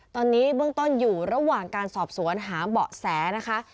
ตอนนี้เบื้องต้นอยู่ระหว่างการสอบสวนหาเบาะแสนะคะ